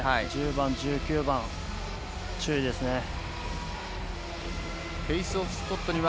１０番、１９番注意ですね。